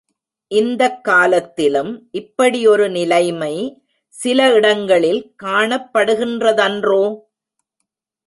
இந்தக் காலத்திலும் இப்படி ஒரு நிலைமை சில இடங்களில் காணப்படுகின்றதன்றோ?